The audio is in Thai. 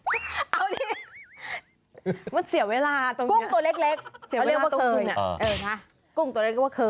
เอาดิมันเสียเวลาตรงนี้เอาเรียกว่าเคยคุณค่ะกุ้งตัวเล็ก